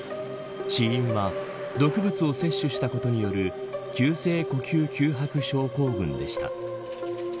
死因は毒物を摂取したことによる急性呼吸窮迫症候群でした。